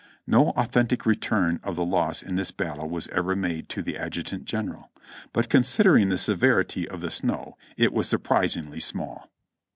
No authentic return of the loss in this battle was ever made to the Adjutant General ; but considering the severity of the snow, it was surprisingly small.